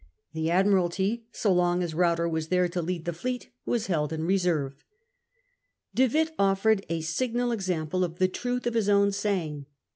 The Admiralty, so long as Ruyter was there to lead the fleet, was held in reserve. De Witt offered a signal example of the truth of his own saying.